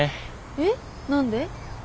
えっ何で？